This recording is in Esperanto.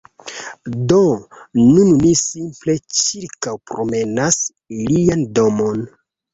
Do nun ni simple ĉirkaŭpromenas ilian domon.